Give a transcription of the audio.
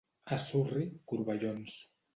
A Surri, corbellons.